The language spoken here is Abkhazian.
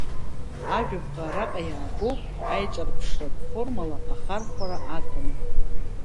Ажәаԥҟа араҟа иаагоуп аиҿарԥшратә формала ахархәара аҭаны…